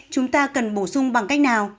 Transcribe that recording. chúng ta cần bổ sung bằng cách nào